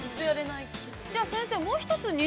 ◆じゃあ先生、もう一つ。